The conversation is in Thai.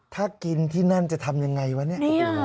ถ้ากินที่นั่นจะทำยังไงวะเนี่ย